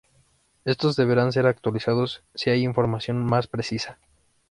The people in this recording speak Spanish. Estos deberán ser actualizados si hay información más precisa.